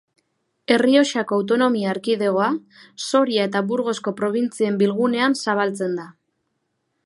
Errioxako Autonomia Erkidegoa, Soria eta Burgosko probintzien bilgunean zabaltzen da.